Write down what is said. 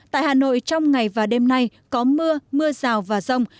tại hà nội trong ngày và đêm nay có mưa mưa rào và rông